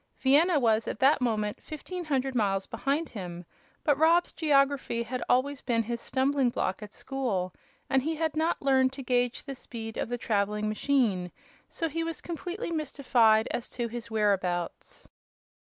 Vienna was at that moment fifteen hundred miles behind him; but Rob's geography had always been his stumbling block at school, and he had not learned to gage the speed of the traveling machine; so he was completely mystified as to his whereabouts.